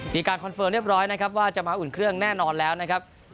คอนเฟิร์มเรียบร้อยนะครับว่าจะมาอุ่นเครื่องแน่นอนแล้วนะครับ